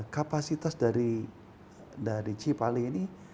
kapasitas dari cipali ini